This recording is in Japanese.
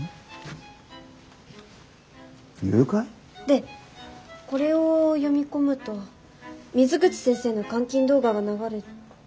誘拐？でこれを読み込むと水口先生の監禁動画が流れて。